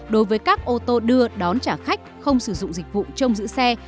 đối với các ô tô đưa đón trả khách không sử dụng dịch vụ trông giữ xe